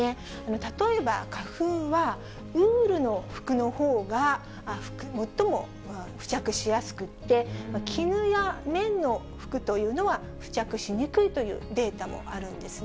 例えば、花粉はウールの服のほうが、最も付着しやすくて、絹や綿の服というのは、付着しにくいというデータもあるんですね。